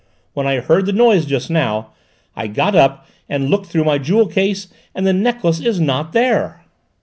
When I heard the noise just now, I got up and looked through my jewel case, and the necklace is not there."